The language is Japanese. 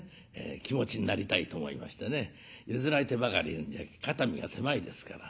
気持ちになりたいと思いましてね譲られてばかりいるんじゃ肩身が狭いですから。